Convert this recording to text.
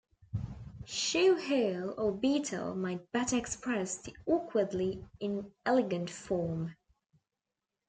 Shoe heel or beetle might better express the awkwardly inelegant form.